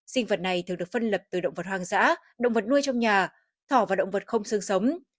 sinh vật này thường được phân lập từ động vật hoang dã động vật nuôi trong nhà thỏ và động vật không sương sống